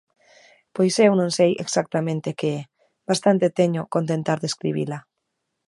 Pois eu non sei exactamente que é, bastante teño con tentar describila!